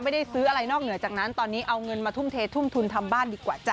ไม่ได้ซื้ออะไรนอกเหนือจากนั้นตอนนี้เอาเงินมาทุ่มเททุ่มทุนทำบ้านดีกว่าจ้ะ